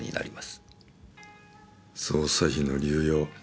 捜査費の流用。